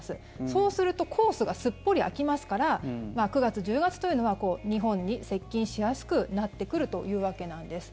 そうするとコースがすっぽり空きますから９月、１０月というのは日本に接近しやすくなってくるというわけなんです。